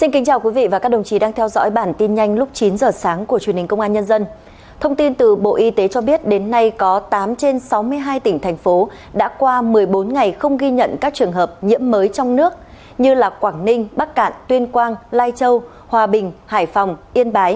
hãy đăng ký kênh để ủng hộ kênh của chúng mình nhé